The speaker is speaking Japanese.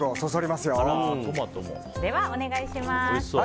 では、お願いします。